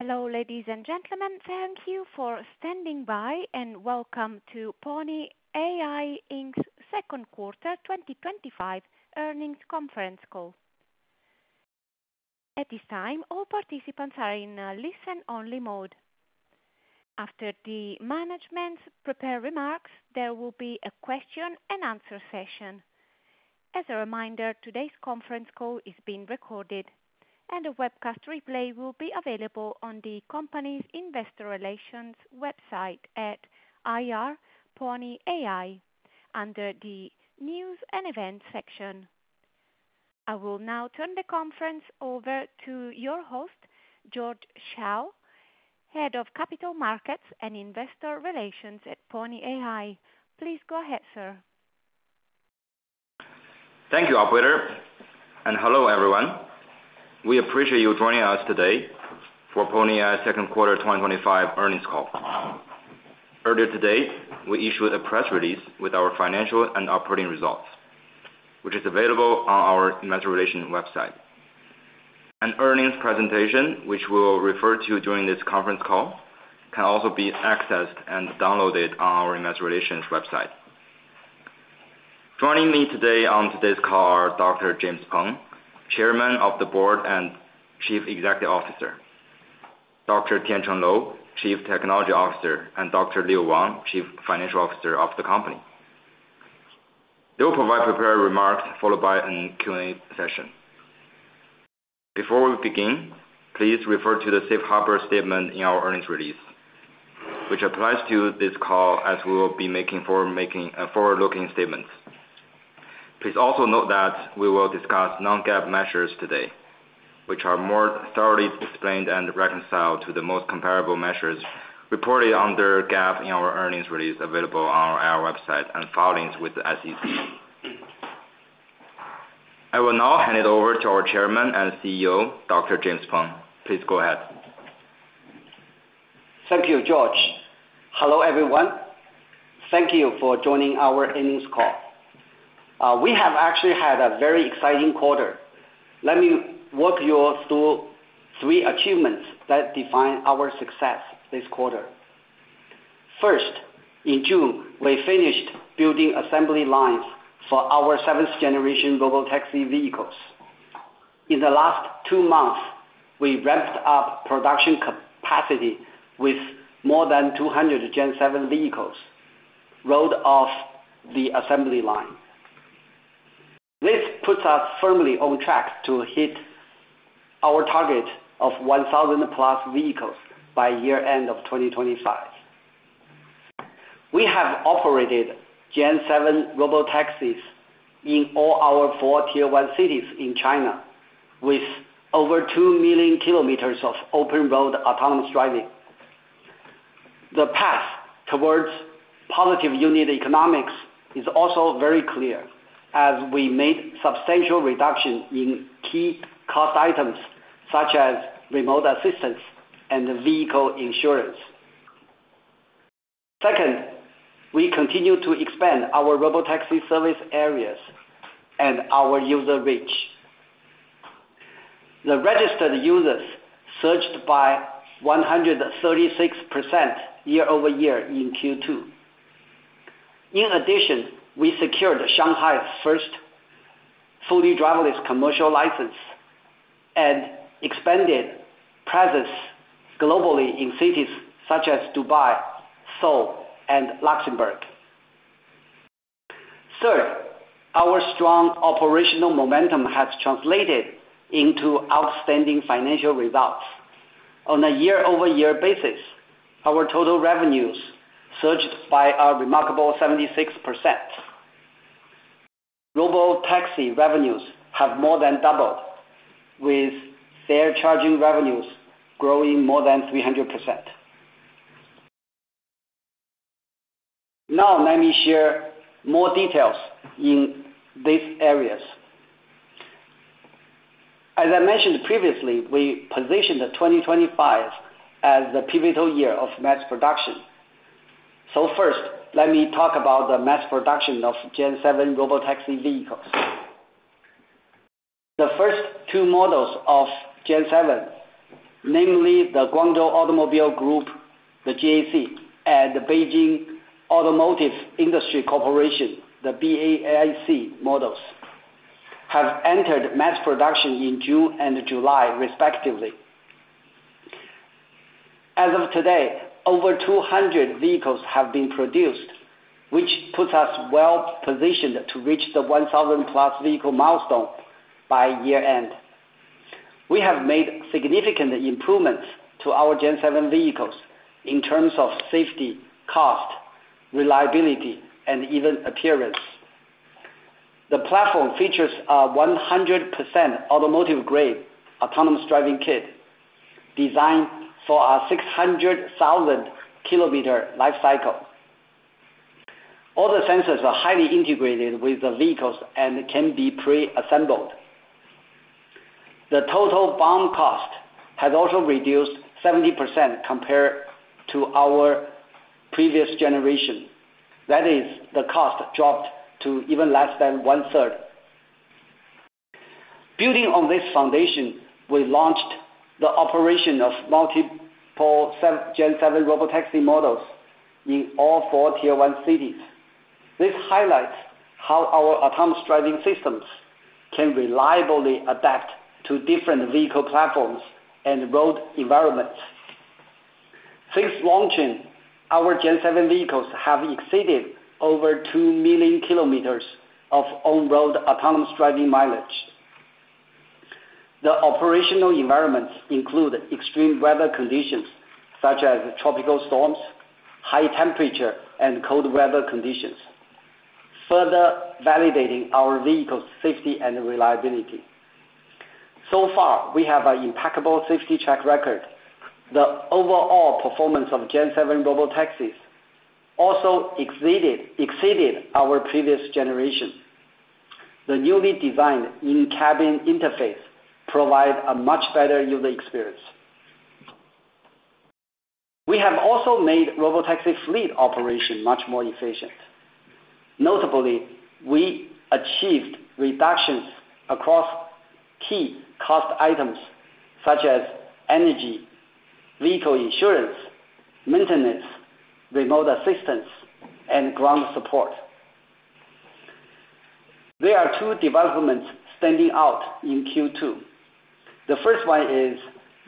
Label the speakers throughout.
Speaker 1: Hello, ladies and gentlemen. Thank you for standing by and welcome to Pony.ai Inc Second Quarter 2025 Earnings Conference Call. At this time, all participants are in listen-only mode. After the management's prepared remarks, there will be a question and answer session. As a reminder, today's conference call is being recorded and a webcast replay will be available on the company's investor relations website at IR Pony.ai under the news and events section. I will now turn the conference over to your host, George Shao, Head of Capital Markets and Investor Relations at Pony.ai. Please, go ahead, sir.
Speaker 2: Thank you, Operator, and hello everyone. We appreciate you joining us today for Pony.ai second quarter 2025 earnings call. Earlier today, we issued a press release with our financial and operating results, which is available on our investor relations website. An earnings presentation, which we will refer to during this conference call, can also be accessed and downloaded on our investor relations website. Joining me today on today's call are Dr. James Peng, Chairman of the Board and Chief Executive Officer, Dr. Tiancheng Lou, Chief Technology Officer, and Dr. Leo Wang, Chief Financial Officer of the company. They will provide prepared remarks followed by a Q and A session. Before we begin, please refer to the safe harbor statement in our earnings release, which applies to this call as we will be making forward-looking statements. Please also note that we will discuss non-GAAP measures today, which are more thoroughly explained and reconciled to the most comparable measures reported under GAAP in our earnings release available on our website and filings with the SEC. I will now hand it over to our Chairman and CEO, Dr. James Peng. Please, go ahead.
Speaker 3: Thank you, George. Hello, everyone. Thank you for joining our earnings call. We have actually had a very exciting quarter. Let me walk you through three achievements that define our success this quarter. First, in June, we finished building assembly lines for our 7th-generation robotaxi vehicles. In the last two months, we ramped up production capacity with more than 200 Gen-7 vehicles rolled off the assembly line. This puts us firmly on track to hit our target of 1,000+ vehicles by year end of 2025. We have operated Gen-7 Robotaxis in all our four tier-one cities in China with over 2 million kilometers of open-road autonomous driving. The path towards positive unit economics is also very clear as we made substantial reduction in key cost items such as remote assistance and vehicle insurance. Second, we continue to expand our robotaxi service areas and our user reach. The registered users surged by 136% year over year in Q2. In addition, we secured Shanghai's first fully driverless commercial license and expanded presence globally in cities such as Dubai, Seoul, and Luxembourg. Third, our strong operational momentum has translated into outstanding financial results. On a year-over-year basis, our total revenues surged by a remarkable 76%. Robotaxi revenues have more than doubled with their charging revenues growing more than 300%. Now, let me share more details in these areas. As I mentioned previously, we positioned 2025 as the pivotal year of mass production. First, let me talk about the mass production of Gen-7 Robotaxi vehicles. The first two models of Gen-7, namely the Guangzhou Automobile Group, the GAC, and the Beijing Automotive Industry Corporation, the BAIC models, have entered mass production in June and July, respectively. As of today, over 200 vehicles have been produced, which puts us well positioned to reach the 1,000+ vehicle milestone by year-end. We have made significant improvements to our Gen-7 vehicles in terms of safety, cost, reliability, and even appearance. The platform features a 100% automotive-grade autonomous driving kit designed for a 600,000-km life cycle. All the sensors are highly integrated with the vehicles and can be pre-assembled. The total BOM cost has also reduced 70% compared to our previous generation. That is, the cost dropped to even less than 1/3. Building on this foundation, we launched the operation of multiple Gen-7 Robotaxi models in all four tier-one cities. This highlights how our autonomous driving systems can reliably adapt to different vehicle platforms and road environments. Since launching, our Gen-7 vehicles have exceeded over 2 million kilometers of on-road autonomous driving mileage. The operational environments include extreme weather conditions such as tropical storms, high temperature, and cold weather conditions, further validating our vehicles' safety and reliability. We have an impeccable safety track record. The overall performance of Gen-7 Robotaxis also exceeded our previous generation. The newly designed in-cabin interface provides a much better user experience. We have also made robotaxi fleet operation much more efficient. Notably, we achieved reductions across key cost items such as energy, vehicle insurance, maintenance, remote assistance, and ground support. There are two developments standing out in Q2. The first one is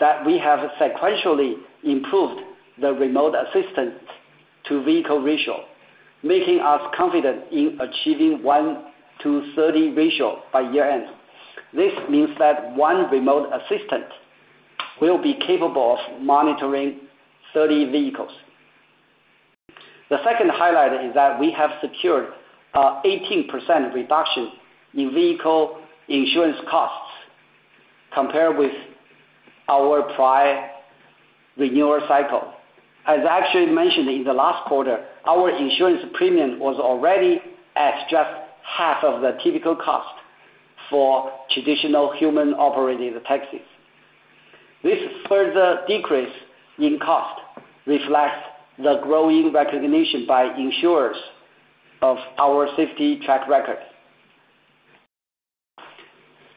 Speaker 3: that we have sequentially improved the remote assistance-to-vehicle ratio, making us confident in achieving a 1-to-30 ratio by year-end. This means that one remote assistant will be capable of monitoring 30 vehicles. The second highlight is that we have secured an 18% reduction in vehicle insurance costs compared with our prior renewal cycle. As actually mentioned, in the last quarter our insurance premium was already at just half of the typical cost for traditional human-operated taxis. This further decrease in cost reflects the growing recognition by insurers of our safety track record.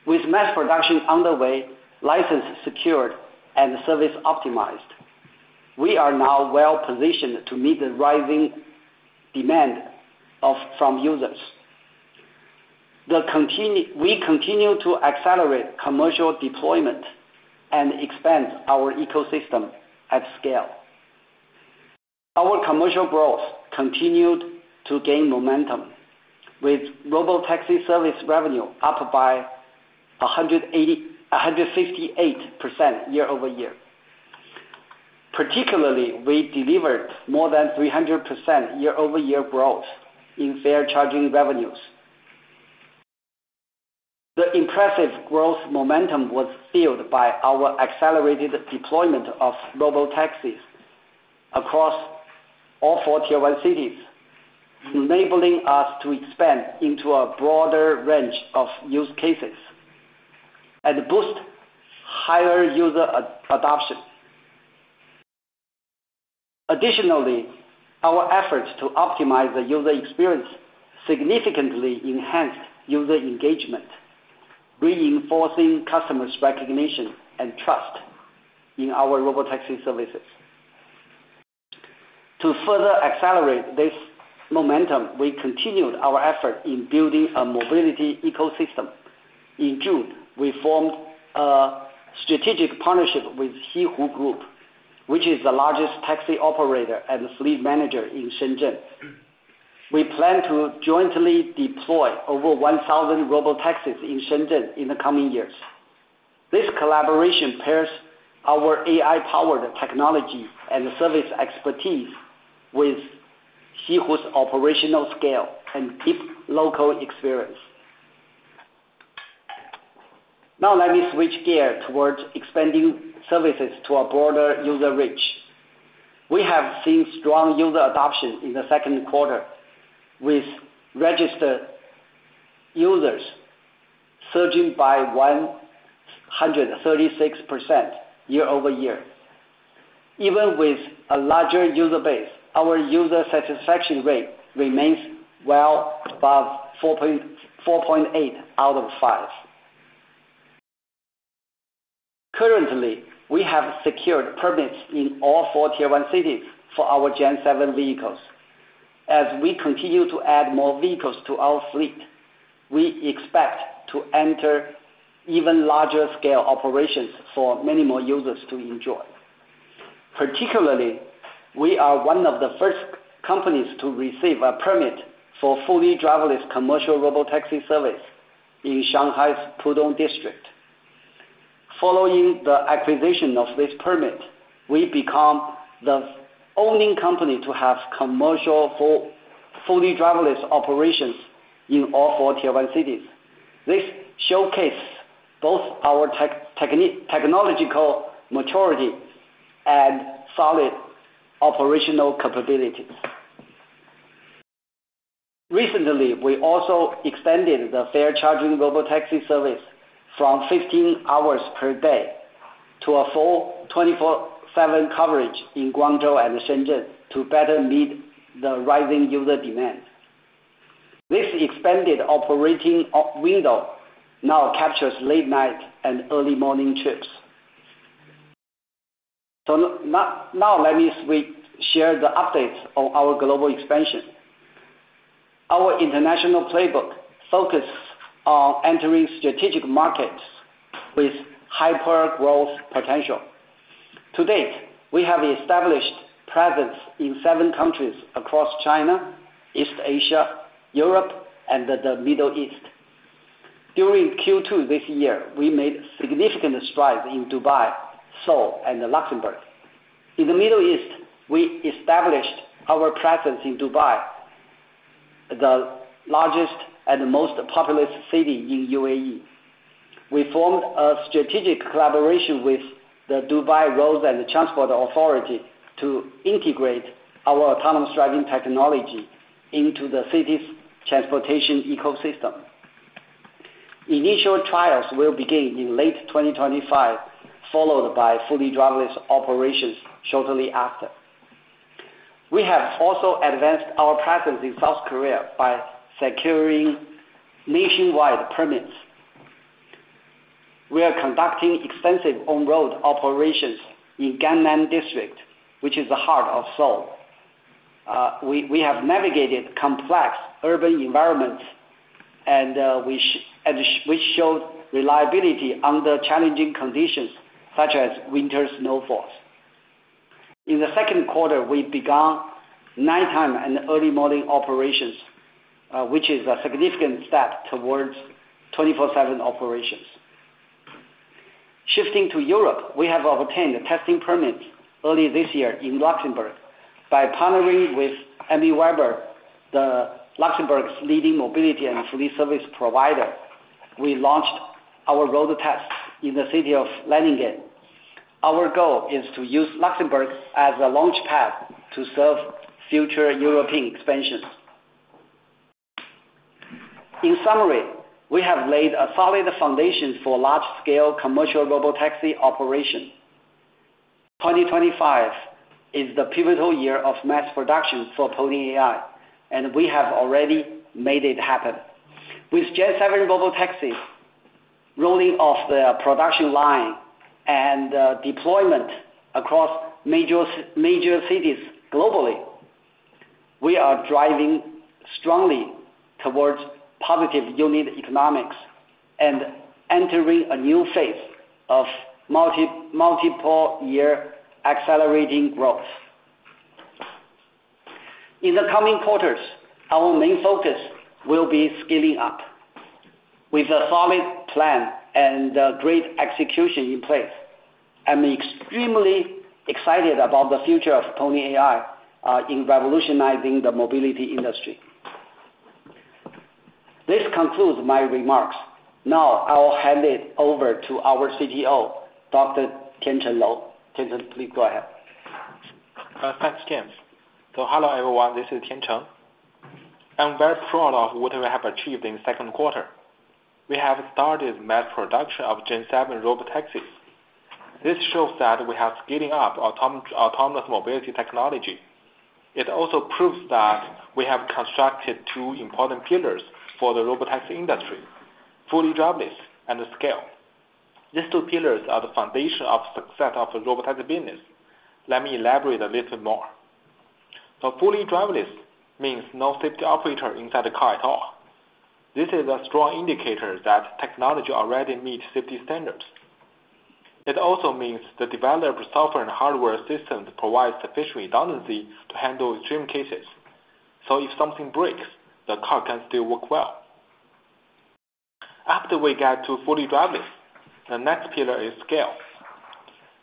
Speaker 3: With mass production underway, license secured, and service optimized, we are now well positioned to meet the rising demand of some users. We continue to accelerate commercial deployment and expand our ecosystem at scale. Our commercial growth continued to gain momentum with robotaxi service revenue up by 158% year over year. Particularly, we delivered more than 300% year-over-year growth in fare charging revenues. The impressive growth momentum was fueled by our accelerated deployment of robotaxis across all four tier-one cities, enabling us to expand into a broader range of use cases and boost higher user adoption. Additionally, our efforts to optimize the user experience significantly enhance user engagement, reinforcing customers' recognition and trust in our robotaxi services. To further accelerate this momentum, we continued our effort in building a mobility ecosystem, including forming a strategic partnership with Xihu Group, which is the largest taxi operator and fleet manager in Shenzhen. We plan to jointly deploy over 1,000 robotaxis in Shenzhen in the coming years. This collaboration pairs our AI-powered technology and service expertise with Xihu's operational scale and deep local experience. Now, let me switch gears towards expanding services to a broader user reach. We have seen strong user adoption in the second quarter, with registered users surging by 136% year over year. Even with a larger user base, our user satisfaction rate remains well above 4.8 out of 5. Currently, we have secured permits in all four tier-one cities for our Gen-7 vehicles. As we continue to add more vehicles to our fleet, we expect to enter even larger scale operations for many more users to enjoy. Particularly, we are one of the first companies to receive a permit for fully driverless commercial robotaxi service in Shanghai's Pudong district. Following the acquisition of this permit, we become the only company to have commercial fully driverless operations in all four tier-one cities. This showcases both our technological maturity and solid operational capabilities. Recently, we also extended the fare-charging robotaxi service from 15 hours per day to a full 24/7 coverage in Guangzhou and Shenzhen to better meet the rising user demand. This expanded operating window now captures late night and early-morning trips. Now, let me share the updates on our global expansion. Our international playbook focuses on entering strategic markets with hyper growth potential. To date, we have established presence in seven countries across China, East Asia, Europe, and the Middle East. During Q2 this year, we made significant strides in Dubai, Seoul, and Luxembourg. In the Middle East, we established our presence in Dubai, the largest and most populous city in the U.A.E. We formed a strategic collaboration with the Dubai Roads and Transport Authority to integrate our autonomous driving technology into the city's transportation ecosystem. Initial trials will begin in late 2025, followed by fully driverless operations shortly after. We have also advanced our presence in South Korea by securing nationwide permits. We are conducting extensive on-road operations in Gangnam district, which is the heart of Seoul. We have navigated complex urban environments, and we showed reliability under challenging conditions such as winter snowfalls. In the second quarter, we began nighttime and early-morning operations, which is a significant step towards 24/7 operations. Shifting to Europe, we have obtained a testing permit early this year in Luxembourg by partnering with Emile Weber, Luxembourg's leading mobility and fleet service provider. We launched our road test in the city of Lenningen. Our goal is to use Luxembourg as a launchpad to serve future European expansion. In summary, we have laid a solid foundation for large-scale commercial robotaxi operation. 2025 is the pivotal year of mass production for Pony.ai, and we have already made it happen with Gen-7 Robotaxi rolling off the production line and deployment across major cities. Globally, we are driving strongly towards positive unit economics and entering a new phase of multiple-year accelerating growth. In the coming quarters, our main focus will be scaling up with a solid plan and great execution in place. I'm extremely excited about the future of Pony.ai in revolutionizing the mobility industry. This concludes my remarks. Now, I will hand it over to our CTO, Dr. Tiancheng Lou. Tiancheng, please, go ahead.
Speaker 4: Thanks, James. Hello, everyone, this is Tiancheng. I'm very proud of what we have achieved in the second quarter. We have started mass production of Gen-7 Robotaxis. This shows that we are getting up autonomous mobility technology. It also proves that we have constructed two important pillars for the robotics industry: fully driverless and scale. These two pillars are the foundation of success of our robotaxi business. Let me elaborate a little more. Fully driverless means no safety operator inside the car at all. This is a strong indicator that technology already meets safety standards. It also means the developer software and hardware system provides sufficient redundancy to handle extreme cases. If something breaks, the car can still work well. After we get to fully driverless, the next pillar is scale.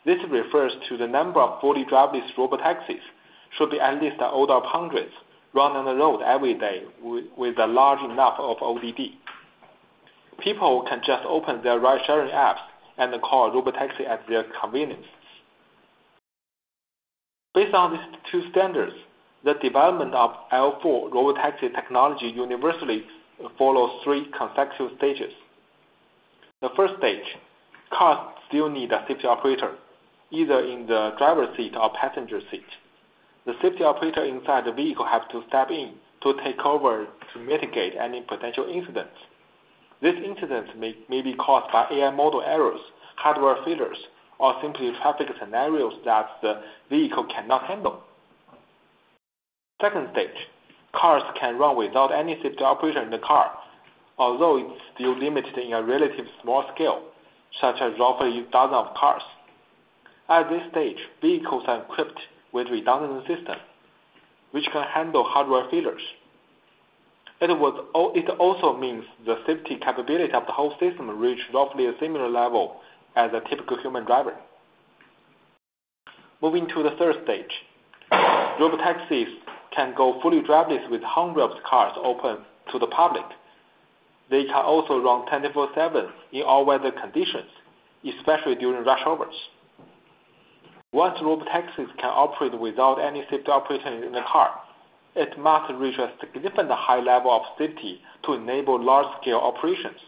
Speaker 4: This refers to the number of fully driverless robotaxis, should be at least order of hundreds run on the road every day. With a large enough fleet, people can just open their ride sharing apps and call robotaxi at their convenience. Based on these two standards, the development of L4 Robotaxi technology universally follows three conceptual stages. The first stage, cars still need a safety operator either in the driver seat or passenger seat. The safety operator inside the vehicle has to step in to take over to mitigate any potential incidents. This incident may be caused by AI model errors, hardware failures, or simply traffic scenarios that the vehicle cannot handle. The second stage, cars can run without any safety operator in the car, although it's still limited in a relatively small scale such as over dozens of cars. At this stage, vehicles are equipped with redundant systems which can handle hardware failures. It also means the safety capability of the whole system reaches roughly a similar level as a typical human driving. Moving to the third stage, robotaxis can go fully driverless with hundreds of cars open to the public. They can also run 24/7 in all weather conditions, especially during rush hours. Once robotaxis can operate without any safety operators in the car, it must reach a significantly high level of safety to enable large-scale operations.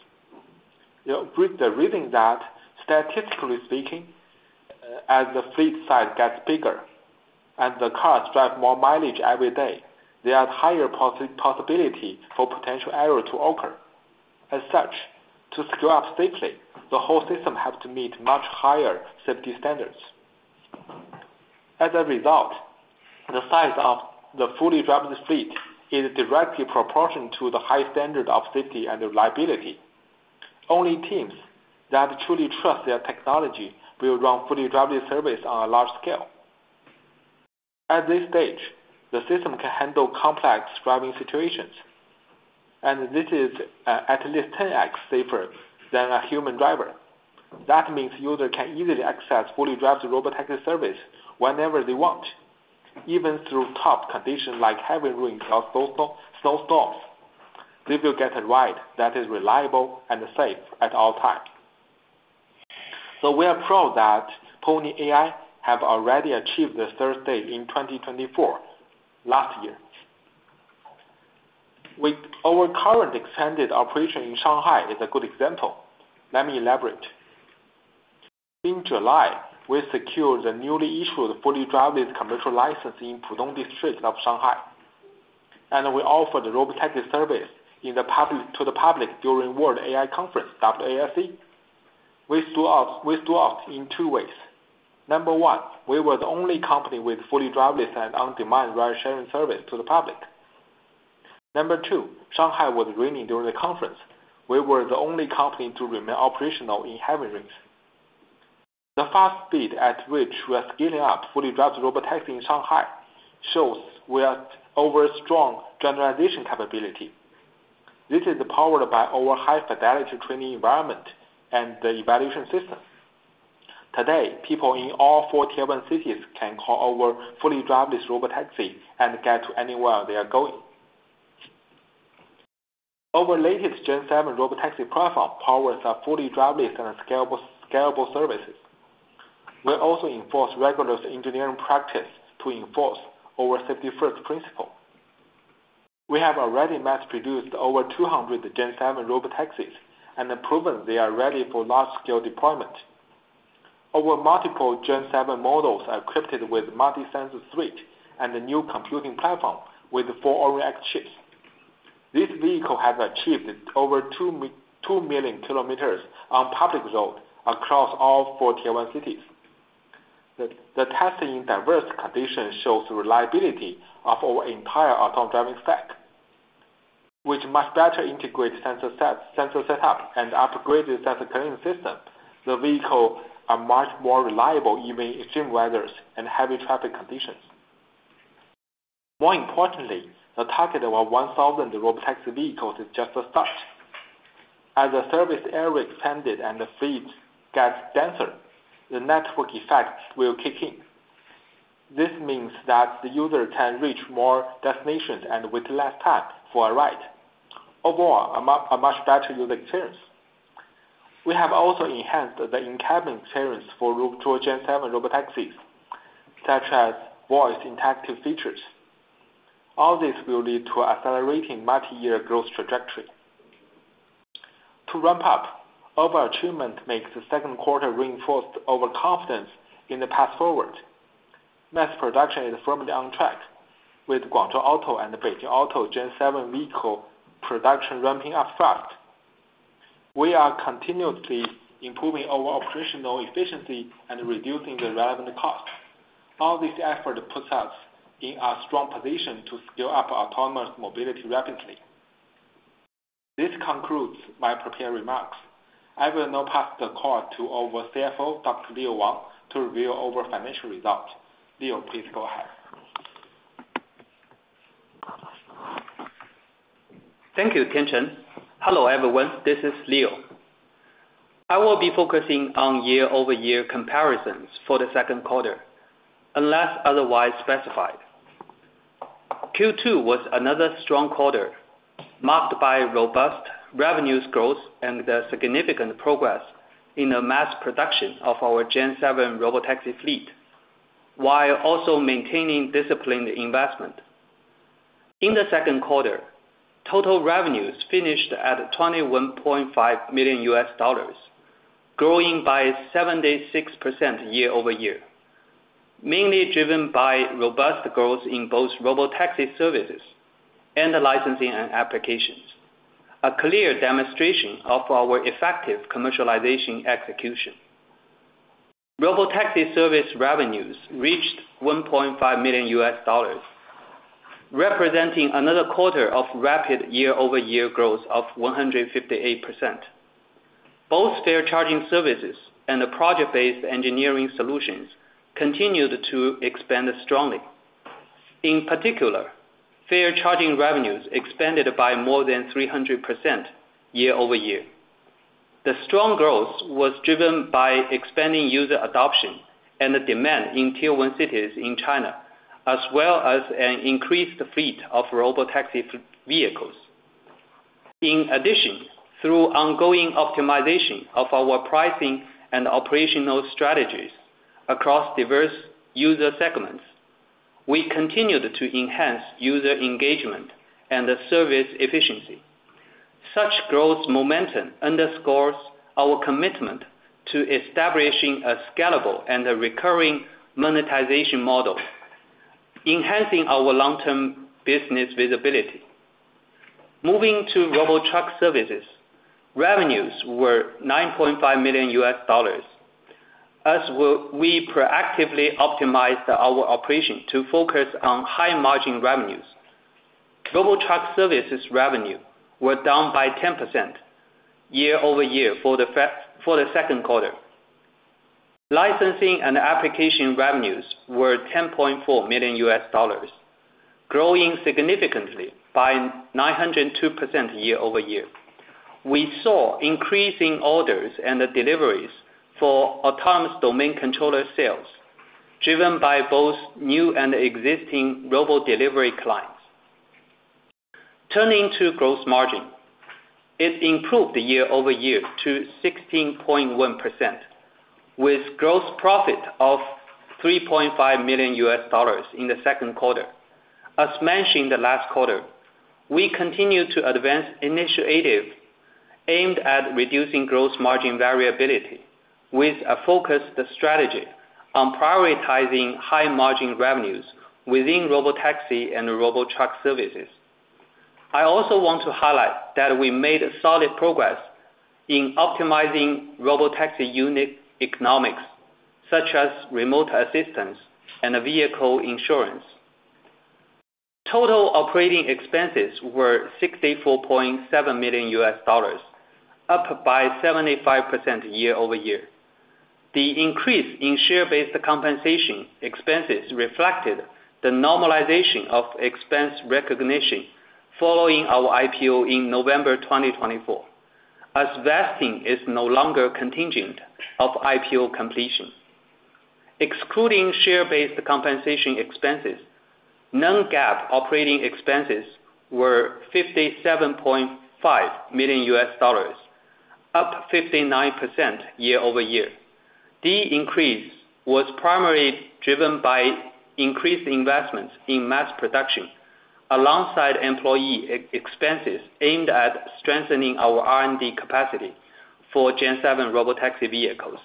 Speaker 4: The reason is that statistically speaking, as the fleet size gets bigger and the cars drive more mileage every day, there is a higher possibility for potential error to occur. As such, to scale up safely, the whole system has to meet much higher safety standards. As a result, the size of the fully driverless fleet is directly proportional to the high standard of safety and reliability. Only teams that truly trust their technology will run fully driverless service on a large scale. At this stage, the system can handle complex driving situations and this is at least 10x deeper than a human driver. That means user can easily access fully driverless robotaxi service whenever they want. Even through tough conditions like heavy rains or snowstorms, they will get a ride that is reliable and safe at all times. We are proud that Pony.ai have already achieved the third state in 2024 last year with our current extended operation in Shanghai as a good example. Let me elaborate. In July, we secured the newly issued fully driverless commercial license in Pudong district of Shanghai. We offered robotaxi service to the public during World AI Conference, WAIC. We docked in two ways. Number one, we were the only company with fully driverless and on-demand ride sharing service to the public. Number two, Shanghai was raining during the conference. We were the only company to remain operational in heavy rains. The fast speed at which we are scaling up fully driverless robotaxis in Shanghai shows we are over strong generalization capability. This is powered by our high-fidelity training environment and the evaluation systems. Today, people in all four tier-one cities can call over fully driverless robotaxi and get to anywhere they are going. Our latest Gen-7 Robotaxis profile powers a fully driverless and scalable services. We also enforce regular engineering practice to enforce over safety first principle. We have already mass produced over 200 Gen-7 Robotaxis and proven they are ready for large-scale deployment. Over multiple Gen-7 models are equipped with multisensor suite and new computing platform with full-on react chips. This vehicle has achieved over 2 million kilometers on public road across all four tier-onecities. The testing in diverse conditions shows the reliability of our entire autonomous driving stack. With much better integrated sensor setup and upgraded sensor cleaning system, the vehicles are much more reliable even in extreme weather and heavy traffic conditions. More importantly, the target of 1,000 robotaxi vehicles is just a start. As the service area extended and the fleet gets denser, the network effect will kick in. This means that the user can reach more destinations and with less time for a ride. Overall, a much better user experience. We have also enhanced the in-cabin experience for our Gen-7 Robotaxis, such as voice interactive features. All this will lead to accelerating multi-year growth trajectory. To ramp up, overachievement in the second quarter reinforced our confidence in the path forward. Mass production is firmly on track. With [GAC Auto] and [Beijing Auto] Gen-7 vehicle production ramping up fast, we are continuously improving our operational efficiency and reducing the relevant cost. All this effort puts us in a strong position to scale up autonomous mobility rapidly. This concludes my prepared remarks. I will now pass the call to our CFO, Dr. Leo Wang, to review our financial results. Leo, please go ahead.
Speaker 5: Thank you, Tiancheng. Hello, everyone, this is Leo. I will be focusing on year-over-year comparisons for the second quarter unless otherwise specified. Q2 was another strong quarter marked by robust revenue growth and the significant progress in the mass production of our Gen-7 Robotaxi fleet while also maintaining disciplined investment. In the second quarter, total revenues finished at $21.5 million, growing by 76% year over year, mainly driven by robust growth in both robotaxi services and licensing and applications, a clear demonstration of our effective commercialization execution. Robotaxi service revenues reached $1.5 million, representing another quarter of rapid year-over-year growth of 158%. Both fare-charging services and the project-based engineering solutions continued to expand strongly. In particular, fare-charging revenues expanded by more than 300% year over year. The strong growth was driven by expanding user adoption and demand in tier-one cities in China, as well as an increased fleet of robotaxi vehicles. In addition, through ongoing optimization of our pricing and operational strategies across diverse user segments, we continue to enhance user engagement and service efficiency. Such growth momentum underscores our commitment to establishing a scalable and recurring monetization model, enhancing our long-term business visibility. Moving to robotruck services, revenues were $9.5 million as we proactively optimized our operation to focus on high-margin revenues. Robotruck services revenue were down by 10% year over year for the second quarter. Licensing and application revenues were $10.4 million, growing significantly by 902% year over year. We saw increasing orders and deliveries for autonomous domain controller sales driven by both new and existing robodelivery clients. Turning to gross margin, it improved year over year to 16.1% with gross profit of $3.5 million in the second quarter. As mentioned last quarter, we continue to advance initiatives aimed at reducing gross margin variability with a focused strategy on prioritizing high-margin revenues within robotaxi and robotruck services. I also want to highlight that we made solid progress in optimizing robotaxi unit economics such as remote assistance and vehicle insurance. Total operating expenses were $64.7 million, up by 75% year over year. The increase in share-based compensation expenses reflected the normalization of expense recognition following our IPO in November 2024, as vesting is no longer contingent on IPO completion. Excluding share-based compensation expenses, non-GAAP operating expenses were $57.5 million, up 59% year over year. The increase was primarily driven by increased investments in mass production alongside employee expenses aimed at strengthening our R&D capacity for Gen-7 Robotaxi vehicles.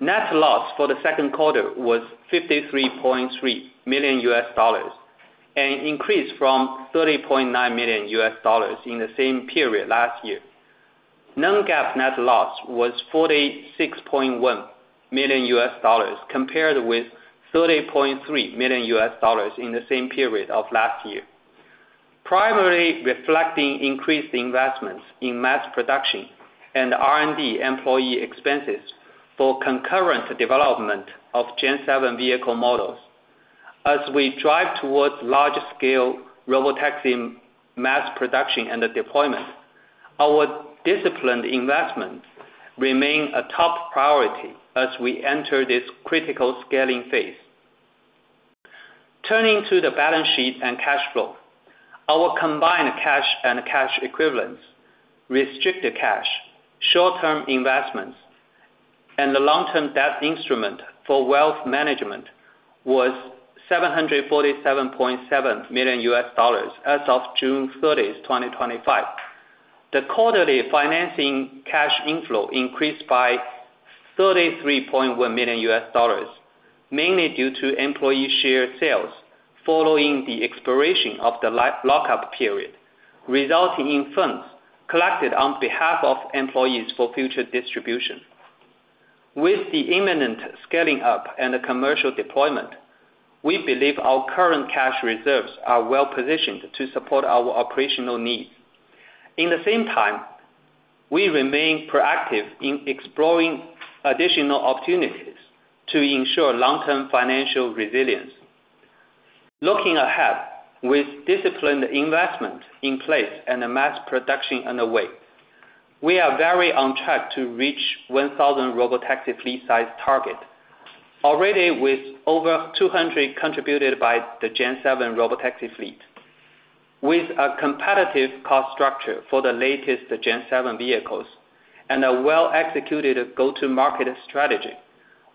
Speaker 5: Net loss for the second quarter was $53.3 million, an increase from $30.9 million in the same period last year. Non-GAAP net loss was $46.1 million compared with $30.3 million in the same period of last year, primarily reflecting increased investments in mass production and R&D employee expenses for concurrent development of Gen 7 vehicle models. As we drive towards large-scale robotaxi mass production and deployment, our disciplined investment remains a top priority as we enter this critical scaling phase. Turning to the balance sheet and cash flow, our combined cash and cash equivalents, restricted cash, short-term investments, and the long-term debt instrument for wealth management was $747.7 million as of June 30, 2025. The quarterly financing cash inflow increased by $33.1 million mainly due to employee share sales following the expiration of the lockup period, resulting in funds collected on behalf of employees for future distribution. With the imminent scaling up and commercial deployment, we believe our current cash reserves are well positioned to support our operational needs. At the same time, we remain proactive in exploring additional opportunities to ensure long-term financial resilience. Looking ahead, with disciplined investment in place and mass production underway, we are very on track to reach 1,000 robotaxi fleet-size target, already with over 200 contributed by the Gen-7 Robotaxi fleet. With a competitive cost structure for the latest Gen-7 vehicles and a well-executed go-to-market strategy,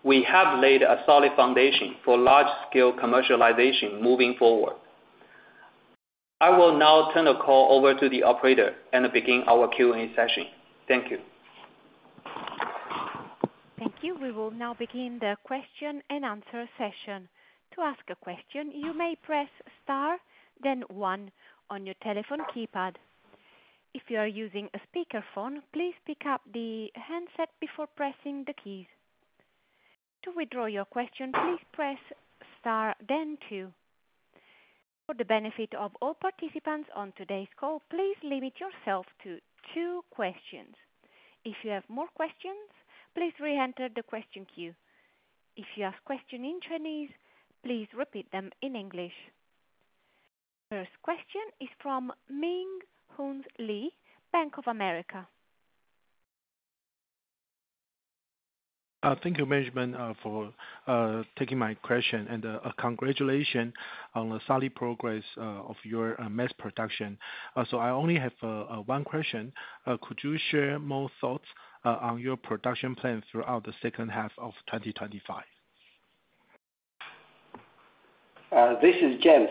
Speaker 5: we have laid a solid foundation for large-scale commercialization moving forward. I will now turn the call over to the operator and begin our Q&A session. Thank you.
Speaker 1: Thank you. We will now begin the question and answer session. To ask a question, you may press star then one on your telephone keypad. If you are using a speakerphone, please pick up the handset before pressing the keys. To withdraw your question, please press star then two. For the benefit of all participants on today's call, please limit yourself to two questions. If you have more questions, please re-enter the question queue. If you ask a question in Chinese, please repeat them in English. First question is from Ming Hsun Lee, Bank of America.
Speaker 6: Thank you, management, for taking my question and congratulations on the solid progress of your mass production. I only have one question. Could you share more thoughts on your production plan throughout the second half of 2025?
Speaker 3: This is James.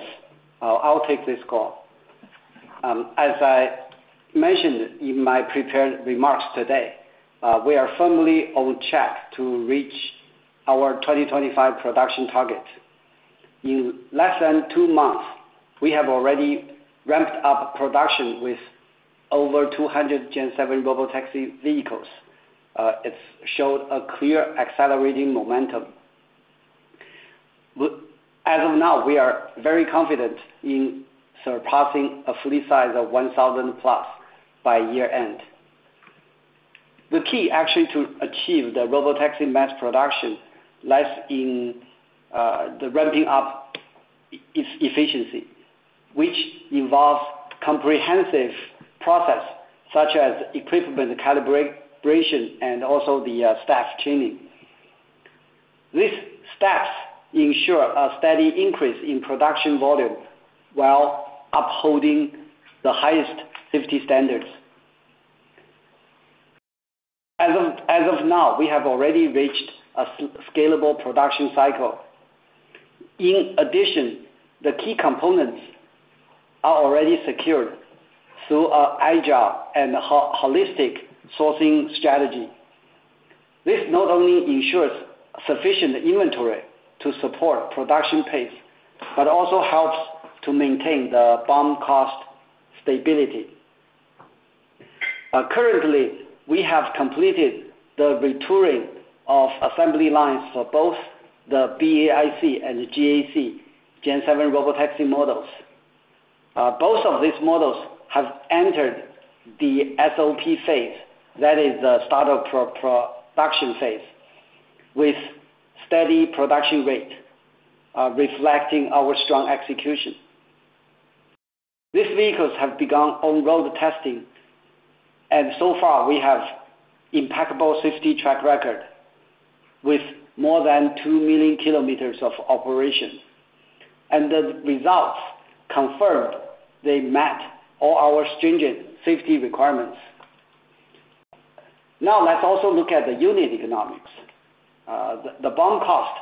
Speaker 3: I'll take this call. As I mentioned in my prepared remarks today, we are firmly on track to reach our 2025 production target. In less than two months, we have already ramped up production with over 200 Gen -7 Robotaxi vehicles. It showed a clear accelerating momentum. As of now, we are very confident in surpassing a fleet size of 1,000+ by year end. The key actually to achieve the robotaxi mass production lies in the ramping up its efficiency, which involves comprehensive process such as equipment calibration and also the staff training. These staff ensure a steady increase in production volume while upholding the highest safety standards. As of now, we have already reached a scalable production cycle. In addition, the key components are already secured through agile and holistic sourcing strategy. This not only ensures sufficient inventory to support production pace, but also helps to maintain the BOM cost stability. Currently, we have completed the retooling of assembly lines for both the BAIC and GAC Gen-7 Robotaxi models. Both of these models have entered the SOP phase, that is the start of production phase, with steady production rate reflecting our strong execution. These vehicles have begun on-road testing and so far we have impeccable safety track record with more than 2 million kilometers of operation, and the results confirm they met all our stringent safety requirements. Now, let's also look at the unit economics. The BOM cost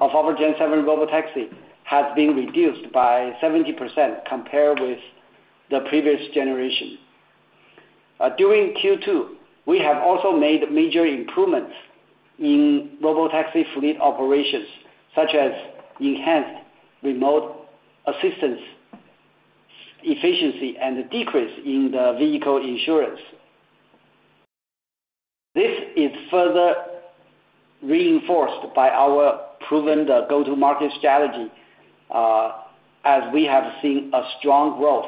Speaker 3: of our Gen-7 Robotaxi has been reduced by 70% compared with the previous generation. During Q2, we have also made major improvements in robotaxi fleet operations such as enhanced remote assistance efficiency and decrease in the vehicle insurance. This is further reinforced by our proven go-to-market strategy as we have seen a strong growth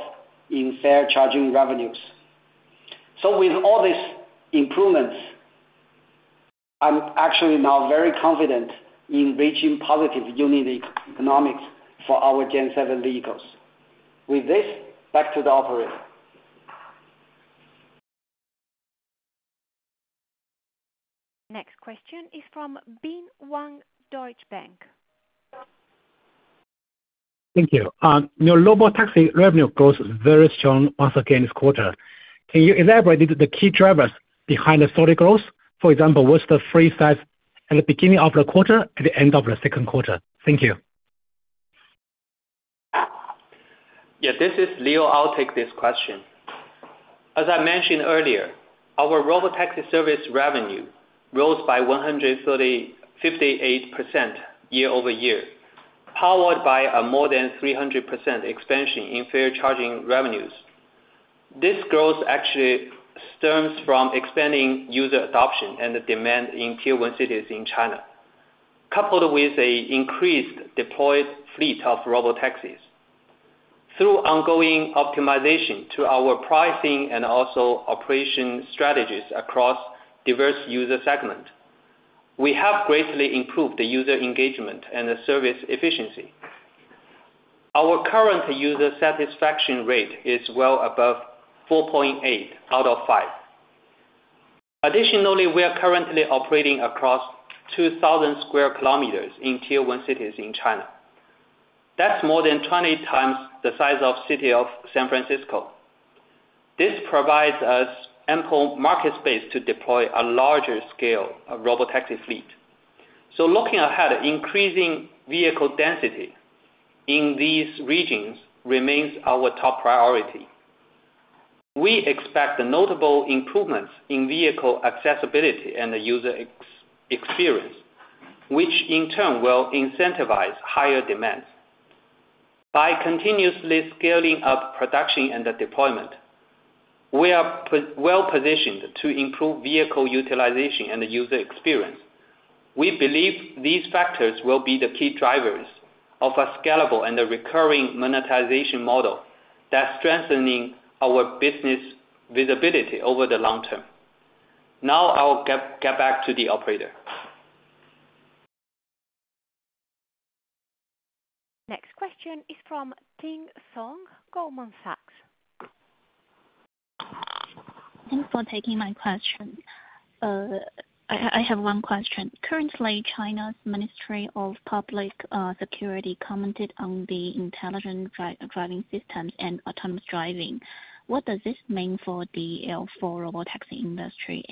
Speaker 3: in fare-charging revenues. With all these improvements, I'm actually now very confident in reaching positive unit economics for our Gen-7 vehicles. With this, back to the operator.
Speaker 1: Next question is from Bin Wang, Deutsche Bank.
Speaker 7: Thank you. Your robotaxi revenue goes very strong once again this quarter. Can you elaborate the key drivers behind the solid growth? For example, what's the fleet size at the beginning of the quarter and at the end of the second quarter? Thank you.
Speaker 5: Yeah, this is Leo. I'll take this question. As I mentioned earlier, our robotaxi service revenue rose by 158% year over year, powered by a more than 300% expansion in fare-charging revenues. This growth actually stems from expanding user adoption and the demand in tier-one cities in China, coupled with an increased deployed fleet of robotaxis. Through ongoing optimization to our pricing and also operation strategies across diverse user segments, we have greatly improved the user engagement and service efficiency. Our current user satisfaction rate is well above 4.8 out of 5. Additionally, we are currently operating across 2,000 square kilometers in tier-one cities in China. That's more than 20 times the size of the City of San Francisco. This provides us ample market space to deploy a larger scale robotaxi fleet. Looking ahead, increasing vehicle density in these regions remains our top priority. We expect notable improvements in vehicle accessibility and the user experience, which in turn will incentivize higher demand. By continuously scaling up production and deployment, we are well positioned to improve vehicle utilization and the user experience. We believe these factors will be the key drivers of a scalable and recurring monetization model that strengthens our business visibility over the long term. Now, I'll get back to the operator.
Speaker 1: Next question is from Ting Song, Goldman Sachs.
Speaker 8: Thanks for taking my question. I have one question. Currently, China's Ministry of Public Security commented on the intelligent driving systems and autonomous driving. What does this mean for the L4 Robotaxi industry?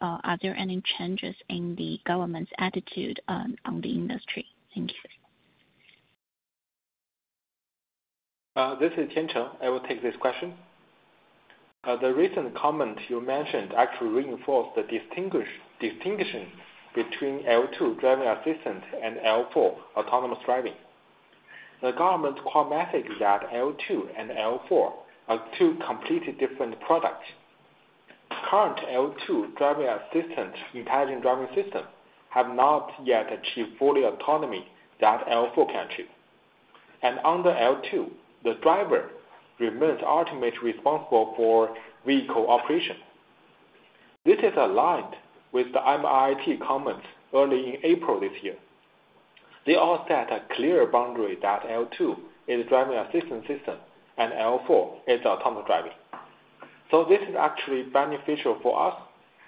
Speaker 8: Are there any changes in the government's attitude on the industry? Thank you.
Speaker 4: This is Tiancheng. I will take this question. The recent comment you mentioned actually reinforced the distinction between L2 driving assistance and L4 autonomous driving. The government's comment that L2 and L4 are two completely different products. Current L2 driving assistance intelligent driving systems have not yet achieved full autonomy that L4 can achieve. And under L2, the driver remains ultimately responsible for vehicle operation. This is aligned with the MIT comments early in April this year. They all set a clear boundary that L2 is driving assistance system and L4 is autonomous driving. This is actually beneficial for us.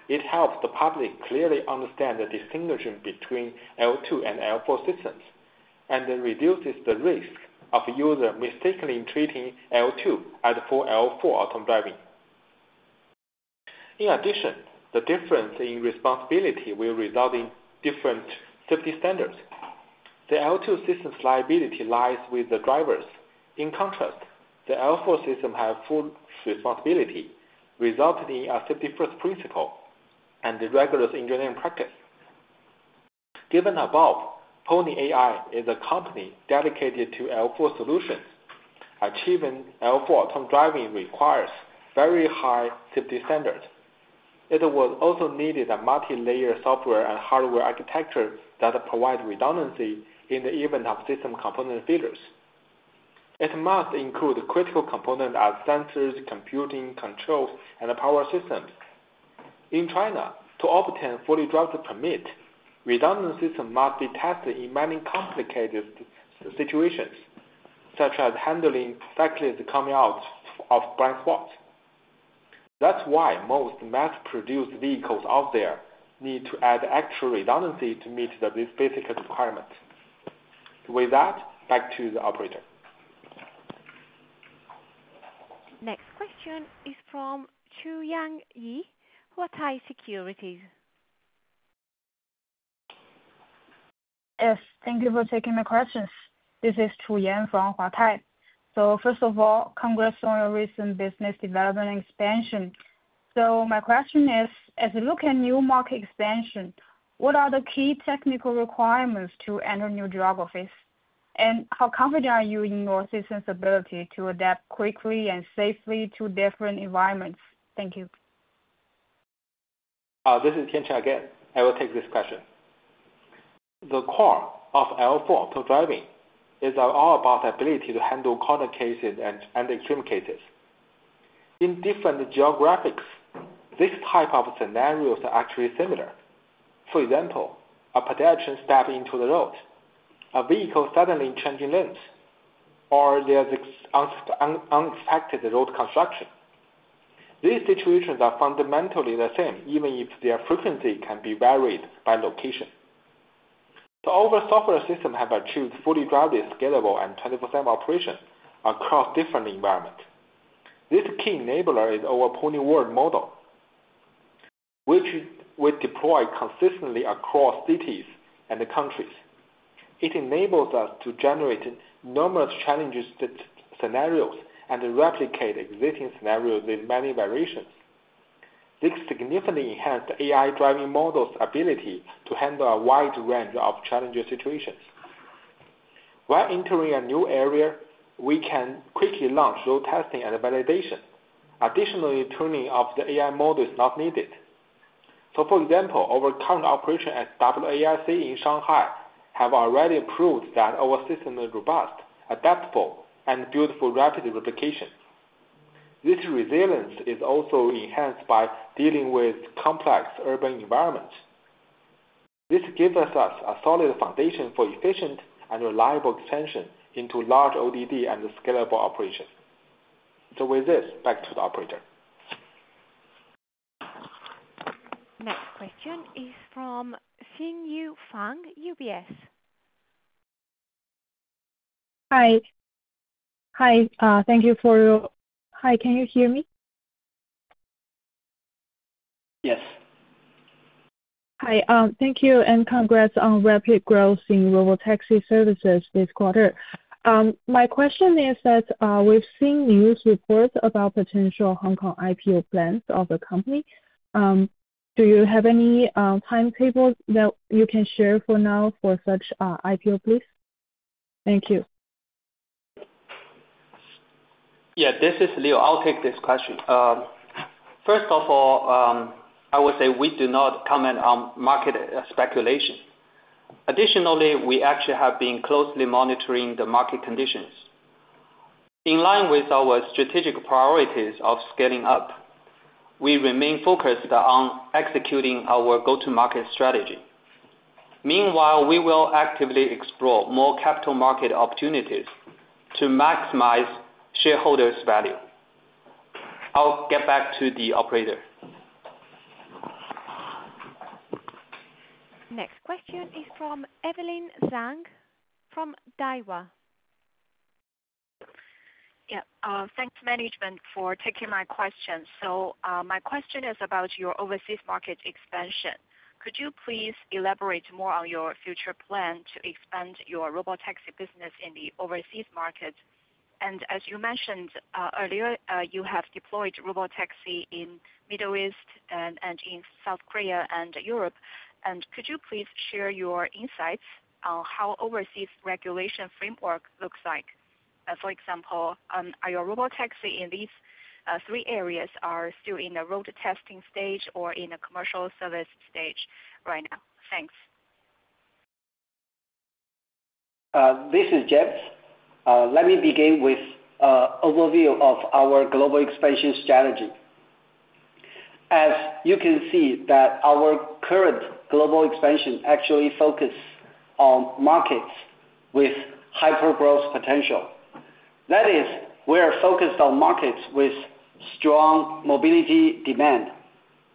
Speaker 4: It helps the public clearly understand the distinction between L2 and L4 systems and reduces the risk of users mistakenly treating L2 as L4 autonomous driving. In addition, the difference in responsibility will result in different safety standards. The L2 system's liability lies with the drivers. In contrast, the L4 system has full responsibility, resulting in a safety-first principle and a rigorous engineering practice. Given above, Pony.ai is a company dedicated to L4 solutions. Achieving L4 autonomous driving requires very high safety standards. It also needs a multi-layer software and hardware architecture that provides redundancy in the event of system component failures. It must include critical components such as sensors, computing controls, and power systems. In China, to obtain a fully driverless permit, redundant systems must detect in many complicated situations such as handling [factors] coming out of bright light. That's why most mass-produced vehicles out there need to add actual redundancy to meet this basic requirement. With that, back to the operator.
Speaker 1: Next question is from Chuyang Yi, Huatai Securities.
Speaker 9: Yes, thank you for taking my questions. This is Chuyang from Huatai. First of all, congrats on your recent business development expansion. My question is, as we look at new market expansion, what are the key technical requirements to enter new driver phase, and how confident are you in your system's ability to adapt quickly and safely to different environments? Thank you.
Speaker 4: This is Tiancheng again. I will take this question. The core of L4 autonomous driving is all about the ability to handle corner cases and extreme cases. In different geographics, this type of scenarios are actually similar. For example, a pedestrian steps into the road, a vehicle suddenly changing lanes, or there's unexpected road construction. These situations are fundamentally the same even if their frequency can be varied by location. The overall software system has achieved fully grounded, scalable, and 20% operation across different environments. This key enabler is our PonyWorld Model, which we deploy consistently across cities and countries. It enables us to generate numerous challenging scenarios and replicate existing scenarios in many variations. This significantly enhances AI driving model's ability to handle a wide range of challenging situations. While entering a new area, we can quickly launch load testing and validation. Additionally, tuning of the AI model is not needed. For example, our current operation at WAIC in Shanghai has already proved that our system is robust, adaptable, and built for rapid replication. This resilience is also enhanced by dealing with complex urban environments. This gives us a solid foundation for efficient and reliable expansion into large ODD and scalable operations. With this, back to the operator.
Speaker 1: Next question is from Xinyu Fang, UBS. Hi. Hi, thank you. Hi, can you hear me?
Speaker 3: Yes.
Speaker 10: Hi. Thank you and congrats on rapid growth in robotaxi services this quarter. My question is that we've seen news reports about potential Hong Kong IPO plans of the company. Do you have any timetables that you can share for now for such IPO, please? Thank you.
Speaker 5: Yeah, this is Leo. I'll take this question. First of all, I would say we do not comment on market speculation. Additionally, we actually have been closely monitoring the market conditions. In line with our strategic priorities of scaling up, we remain focused on executing our go-to-market strategy. Meanwhile, we will actively explore more capital market opportunities to maximize shareholders' value. I'll get back to the operator.
Speaker 1: Next question is from Evelyn Zhang from Daiwa.
Speaker 11: Yeah, thanks, management, for taking my question. My question is about your overseas market expansion. Could you please elaborate more on your future plan to expand your robotaxi business in the overseas market? As you mentioned earlier, you have deployed robotaxi in the Middle East, South Korea, and Europe. Could you please share your insights on how the overseas regulation framework looks like? For example, are your robotaxis in these three areas are still in a road testing stage or in a commercial service stage right now? Thanks.
Speaker 3: This is James. Let me begin with overview of our global expansion strategy. As you can see that our current global expansion actually focus on markets with hypergrowth potential. That is, we are focused on markets with strong mobility demand,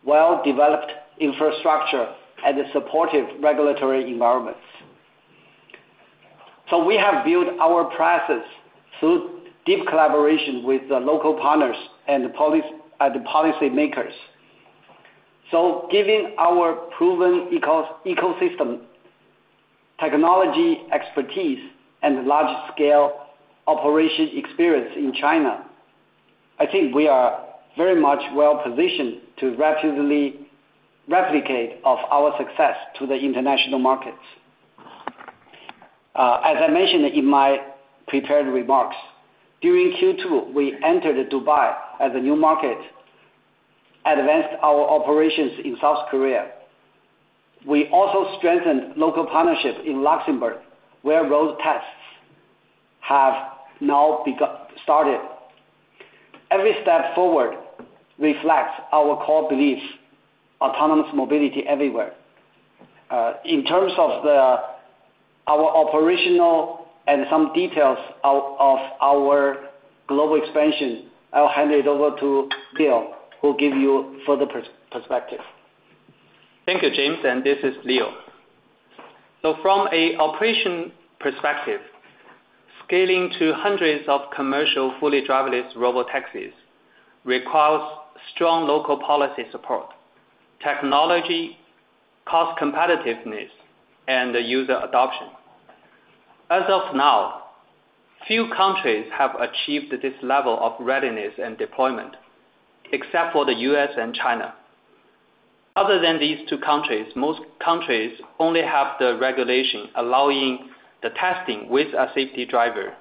Speaker 3: well-developed infrastructure, and supportive regulatory environments. We have built our process through deep collaboration with the local partners and the policy makers. Given our proven ecosystem technology expertise and large-scale operation experience in China, I think we are very much well positioned to rapidly replicate of our success to the international markets. As I mentioned in my prepared remarks, during Q2, we entered Dubai as a new market, advanced our operations in South Korea, and we also strengthened local partnership in Luxembourg where road tests have now started. Every step forward reflects our core beliefs, autonomous mobility everywhere. In terms of our operational and some details of our global expansion, I'll hand it over to Leo who'll give you further perspective.
Speaker 5: Thank you, James. This is Leo. From an operation perspective, scaling to hundreds of commercial fully driverless robotaxis requires strong local policy support, technology cost competitiveness, and user adoption. As of now, few countries have achieved this level of readiness and deployment except for the U.S. and China. Other than these two countries, most countries only have the regulation allowing the testing with a safety driver,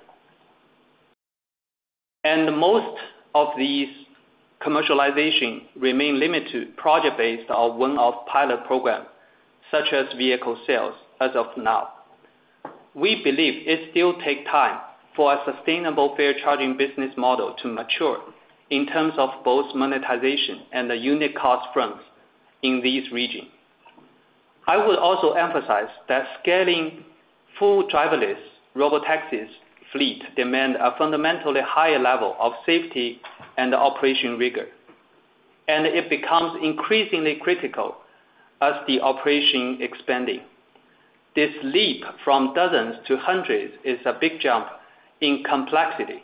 Speaker 5: and most of these commercialization remain limited project based on one-off pilot program such as vehicle sales. As of now, we believe it still take time for a sustainable fare-charging business model to mature in terms of both monetization and the unit cost fronts in these regions. I will also emphasize that scaling full driverless robotaxis fleet demand a fundamentally higher level of safety and operation rigor, and it becomes increasingly critical as the operation is expanding. This leap from dozens to hundreds is a big jump in complexity,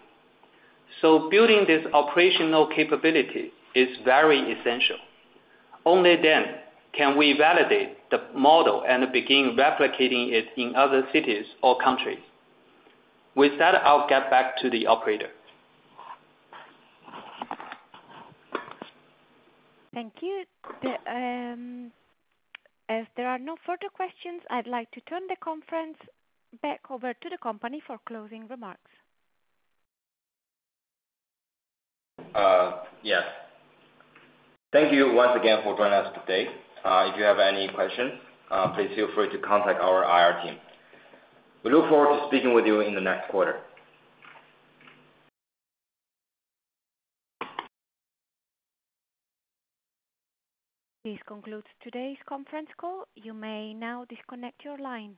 Speaker 5: so building this operational capability is very essential. Only then can we validate the model and begin replicating it in other cities or countries. With that, I'll get back to the operator.
Speaker 1: Thank you. As there are no further questions, I'd like to turn the conference back over to the company for closing remarks.
Speaker 2: Yeah. Thank you once again for joining us today. If you have any question, please feel free to contact our IR team. We look forward to speaking with you in the next quarter.
Speaker 1: This concludes today's conference call. You may now disconnect your line.